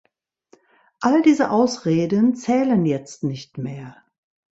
All diese Ausreden zählen jetzt nicht mehr.